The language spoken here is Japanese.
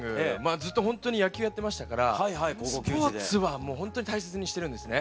ずっとほんとに野球やってましたからスポーツはもうほんとに大切にしてるんですね。